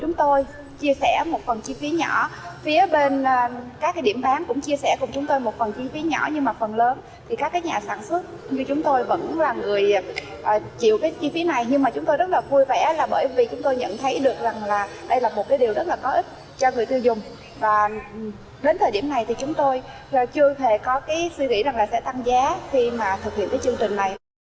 chúng tôi chia sẻ một phần chi phí nhỏ phía bên các cái điểm bán cũng chia sẻ cùng chúng tôi một phần chi phí nhỏ nhưng mà phần lớn thì các cái nhà sản xuất như chúng tôi vẫn là người chịu cái chi phí này nhưng mà chúng tôi rất là vui vẻ là bởi vì chúng tôi nhận thấy được rằng là đây là một cái điều rất là có ích cho người tiêu dùng và đến thời điểm này thì chúng tôi chưa hề có cái suy nghĩ rằng là sẽ tăng giá khi mà thực hiện cái chương trình này